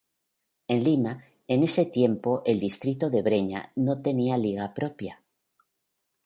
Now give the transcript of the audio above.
En Lima, en ese tiempo, el Distrito de Breña no tenía liga propia.